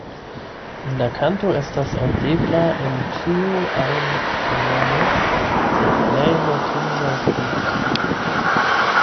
La kanto estas aŭdebla en ĉiu ajn sezono, sed plej notinde printempe.